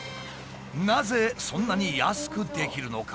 なぜそんなに安くできるのか？